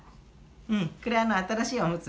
うんこれ新しいおむつ。